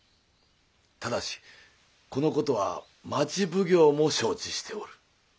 ただしこのことは町奉行も承知しておる。